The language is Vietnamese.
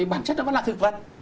bản chất nó vẫn là thực vật